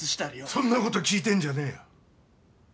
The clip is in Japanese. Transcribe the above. そんなこと聞いてんじゃねえよ！